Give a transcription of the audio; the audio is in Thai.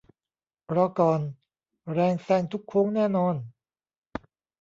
รอ ก่อน แรงแซงทุกโค้งแน่นอน